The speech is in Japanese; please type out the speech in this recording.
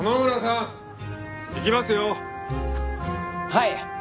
はい。